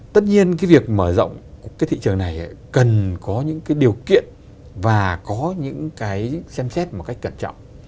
tất nhiên cái việc mở rộng cái thị trường này cần có những cái điều kiện và có những cái xem xét một cách cẩn trọng